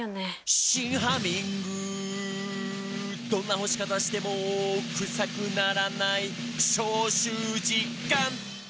「どんな干し方してもクサくならない」「消臭実感！」